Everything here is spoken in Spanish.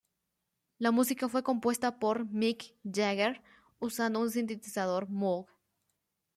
La música fue compuesta por Mick Jagger usando un sintetizador Moog.